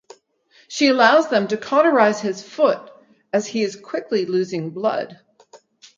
She allows them to cauterize his foot as he is quickly losing blood.